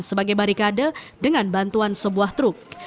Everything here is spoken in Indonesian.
sebagai barikade dengan bantuan sebuah truk